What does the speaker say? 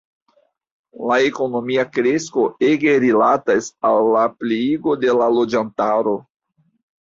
La ekonomia kresko ege rilatas la la pliigo de la loĝantaro.